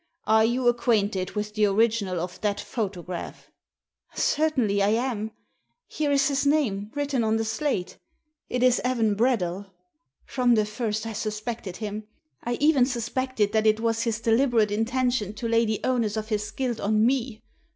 Are you acquainted with the original of that photo graph?" "Certainly I am. Here is his name, written on the slate. It is Evan Bradell. From the first I suspected him. I even suspected that it was his deliberate intention to lay the onus of his guilt on me!